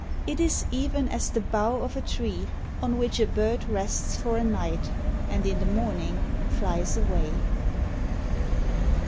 " It is even as the bough of a tree, on which a bird rests for a night, and in the morning flies away."